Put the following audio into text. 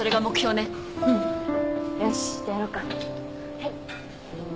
はい。